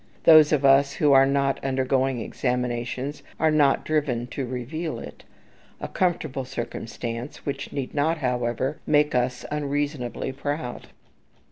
Those of us who are not undergoing examinations are not driven to reveal it, a comfortable circumstance, which need not, however, make us unreasonably proud.